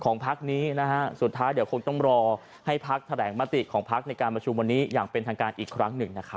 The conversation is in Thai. พักนี้นะฮะสุดท้ายเดี๋ยวคงต้องรอให้พักแถลงมติของพักในการประชุมวันนี้อย่างเป็นทางการอีกครั้งหนึ่งนะครับ